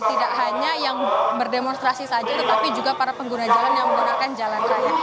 tidak hanya yang berdemonstrasi saja tetapi juga para pengguna jalan yang menggunakan jalan raya